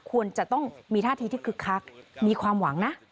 ควรจะต้องมีท่าทีที่คึกคักมีความหวังนะ